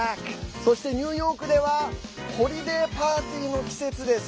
そしてニューヨークではホリデーパーティーの季節です。